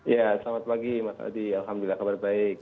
ya selamat pagi mas aldi alhamdulillah kabar baik